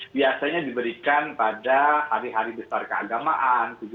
biasanya diberikan pada hari hari besar keagamaan